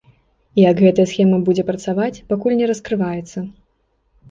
Як гэтая схема будзе працаваць, пакуль не раскрываецца.